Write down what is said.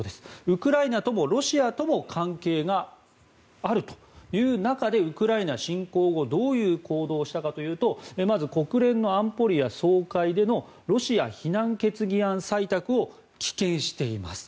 ウクライナともロシアとも関係があるという中でウクライナ侵攻後どういう行動をしたかというとまず、国連の安保理や総会でのロシア非難決議案採択を棄権しています。